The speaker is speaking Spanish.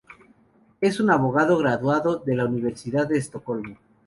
Es un abogado graduado de la Universidad de Estocolmo.